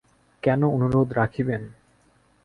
কেন অনুরোধ রাখিবেন?